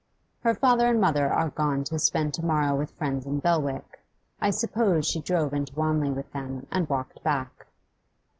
'Her father and mother are gone to spend to morrow with friends in Belwick; I suppose she drove into Wanley with them, and walked back.